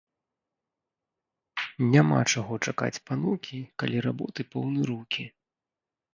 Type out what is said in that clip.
Няма чаго чакаць панукі, калі работы поўны рукі